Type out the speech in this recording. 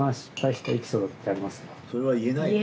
それは言えないよね。